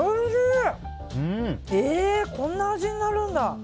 こんな味になるんだ。